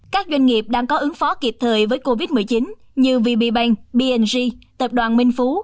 các doanh nghiệp đang có ứng phó kịp thời với covid một mươi chín như vb bank bng tập đoàn minh phú